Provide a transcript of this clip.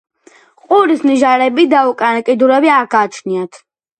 ყურის ნიჟარები და უკანა კიდურები არ გააჩნიათ.